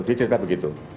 dia cerita begitu